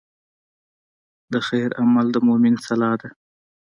د خیر عمل د مؤمن سلاح ده.